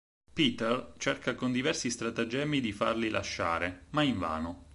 Peter cerca con diversi stratagemmi di farli lasciare, ma invano.